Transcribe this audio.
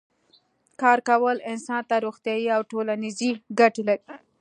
کار کول انسان ته روغتیایی او ټولنیزې ګټې لري